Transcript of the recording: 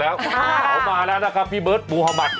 เขามาแล้วนะครับพี่เบิร์ตมุธมัติ